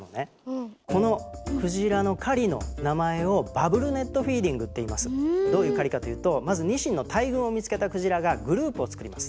このクジラの狩りの名前をどういう狩りかというとまずニシンの大群を見つけたクジラがグループを作ります。